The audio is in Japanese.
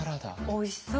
おいしそう。